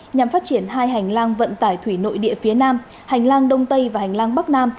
nhằm phát triển hai hành lang vận tải thủy nội địa phía nam hành lang đông tây và hành lang bắc nam